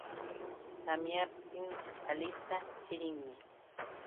Tamyaptin Alista chirinmi